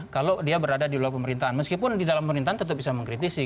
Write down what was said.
kalau dia berada di luar pemerintahan meskipun di dalam pemerintahan tetap bisa mengkritisi